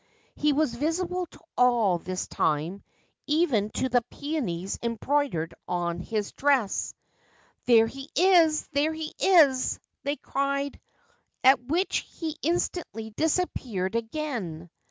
He was visible to all this time — even to the peonies embroidered on his dress. ' There he is ! there he is !' they cried ; at which he instantly disappeared again.